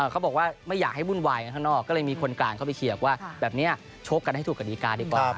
เขาบอกว่าไม่อยากให้วุ่นวายกันข้างนอกก็เลยมีคนกลางเข้าไปเคลียร์ว่าแบบนี้ชกกันให้ถูกกฎิกาดีกว่า